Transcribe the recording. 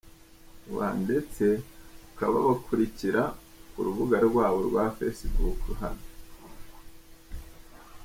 rw ndetse ukabakurikira ku rubuga rwabo rwa Facebook hano .